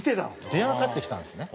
電話がかかってきたんですね。